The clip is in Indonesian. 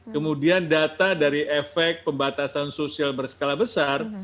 kemudian data dari efek pembatasan sosial berskala besar